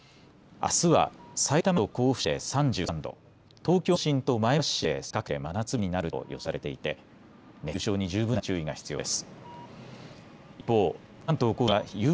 あすは、さいたま市と甲府市で３３度、東京の都心と前橋市で３２度など各地で真夏日になると予想されていて熱中症に十分な注意が必要です。